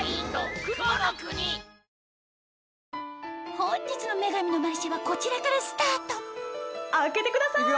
本日の『女神のマルシェ』はこちらからスタート開けてください！